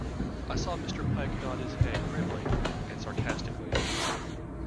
I saw Mr Pike nod his head grimly and sarcastically.